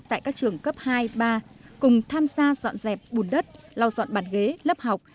tại các trường cấp hai ba cùng tham gia dọn dẹp bùn đất lau dọn bàn ghế lớp học